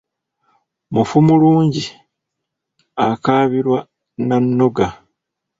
Mufu mulungi, akaabirwa na nnoga.